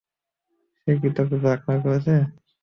সে কি তোকে ব্ল্যাকমেইল করছে?